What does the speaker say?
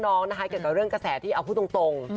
เกี่ยวกับเรื่องกระแสที่เอาพูดตรง